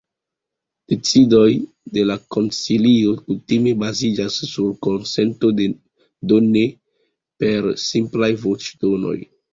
Decidoj de la konsilio kutime baziĝas sur konsento, do ne per simplaj voĉdonoj.